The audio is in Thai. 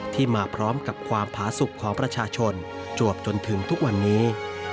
มาพร้อมกับความผาสุขของประชาชนจวบจนถึงทุกวันนี้